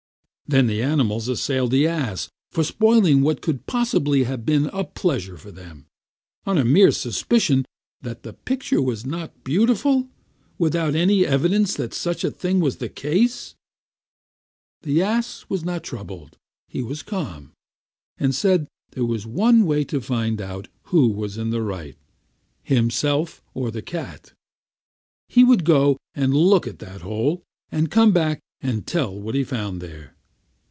Then the animals assailed the ass for spoiling what could possibly have been a pleasure to them, on a mere suspicion that the picture was not beautiful, without any evidence that such was the case. The ass was not troubled; he was calm, and said there was one way to find out who was in the right, himself or the cat: he would go and look in that hole, and come back and tell what he found there.